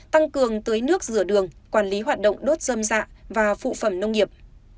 tăng cường tưới nước rửa đường quản lý hoạt động đốt dâm dạ và phụ phẩm nông nghiệp